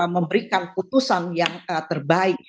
memberikan putusan yang terbaik